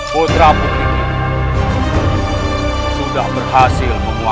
kepala kota binnu